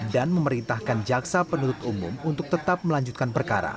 dan memerintahkan jaksa penutup umum untuk tetap melanjutkan